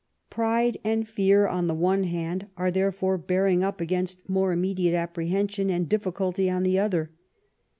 Pride and fear on the one hand are therefore bearing up against more immediate apprehension and difficulty on the other.